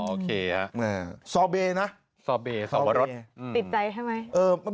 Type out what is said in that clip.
อ๋อโอเคซอเบนะติดใจใช่ไหม